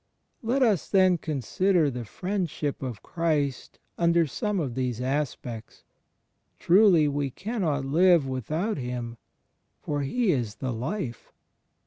Let us then consider the Friendship of Christ under some of these aspects. Truly we cannot live without Him, for He is the Life.